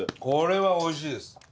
これはおいしいです。